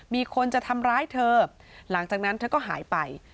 มีคนจะทำร้ายเธอหลังจากนั้นเธอก็หายไป